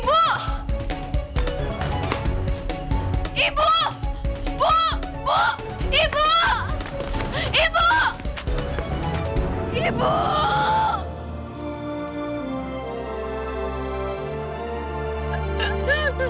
nyokapmu gak ada